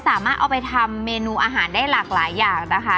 สามารถเอาไปทำเมนูอาหารได้หลากหลายอย่างนะคะ